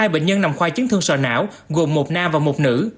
hai bệnh nhân nằm khoa chấn thương sò não gồm một nam và một nữ